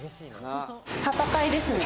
戦いですね。